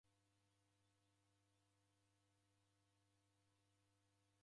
Iyo nguwo yake yambwada sana